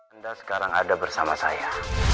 anda sekarang ada bersama saya